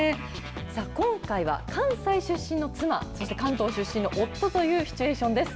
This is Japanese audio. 今回は関西出身の妻、そして関東出身の夫というシチュエーションです。